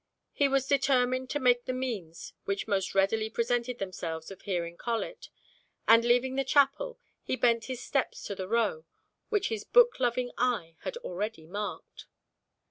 He was determined to take the means which most readily presented themselves of hearing Colet; and leaving the chapel, he bent his steps to the Row which his book loving eye had already marked.